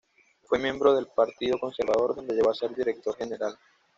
Fue miembro del Partido Conservador, donde llegó a ser director general.